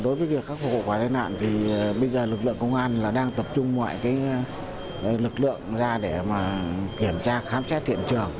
đối với việc khắc phục và tên nạn thì bây giờ lực lượng công an đang tập trung mọi lực lượng ra để kiểm tra khám xét thiện trường